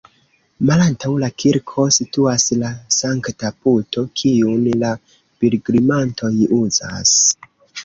Malantaŭ la kirko situas la sankta puto, kiun la pilgrimantoj uzas.